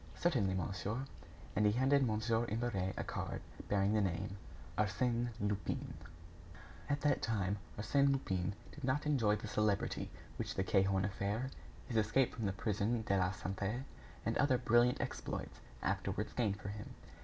"Certainly, monsieur." And he handed Mon. Imbert a card bearing the name: "Arsène Lupin." At that time, Arsène Lupin did not enjoy the celebrity which the Cahorn affair, his escape from the Prison de la Santé, and other brilliant exploits, afterwards gained for him.